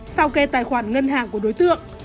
sau kê tài khoản ngân hàng của đối tượng